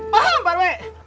paham pak rw